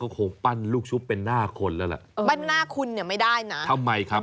ก็คงปั้นลูกชุบเป็นหน้าคนแล้วล่ะเออปั้นหน้าคุณเนี่ยไม่ได้นะทำไมครับ